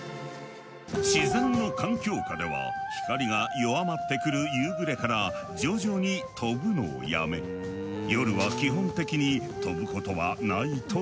自然の環境下では光が弱まってくる夕暮れから徐々に飛ぶのをやめ夜は基本的に飛ぶことはないという。